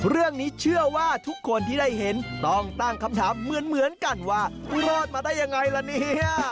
เรื่องนี้เชื่อว่าทุกคนที่ได้เห็นต้องตั้งคำถามเหมือนกันว่ารอดมาได้ยังไงล่ะเนี่ย